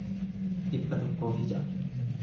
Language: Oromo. dhibba tokkoo fi ja'a